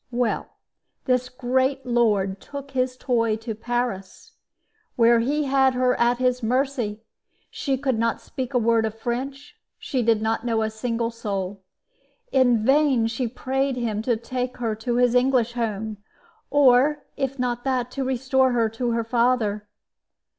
Well, this great lord took his toy to Paris, where he had her at his mercy. She could not speak a word of French; she did not know a single soul. In vain she prayed him to take her to his English home; or, if not that, to restore her to her father.